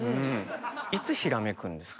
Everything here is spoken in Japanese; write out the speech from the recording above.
いつひらめくんですか？